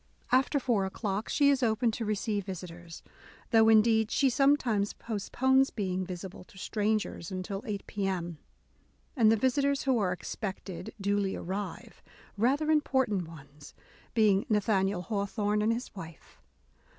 After four o'clock, she is open to receive visitors : though, indeed, she sometimes post pones being visible to strangers until 8 p.m. And the visitors, who are expected, duly arrive, — rather important ones; being Nathaniel Haw A DAY WITH E. B. BROWNING thorne and his wife.